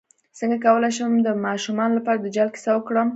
څنګه کولی شم د ماشومانو لپاره د دجال کیسه وکړم